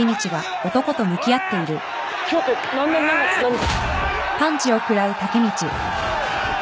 今日って何年何月何日。